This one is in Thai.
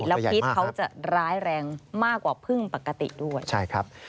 แล้วพิษเขาจะร้ายแรงมากกว่าพึ่งปกติด้วยใช่ครับ